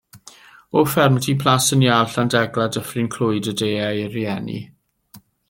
O ffermdy Plas yn Iâl, Llandegla, Dyffryn Clwyd y deuai ei rieni.